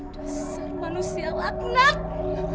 dasar manusia rakanak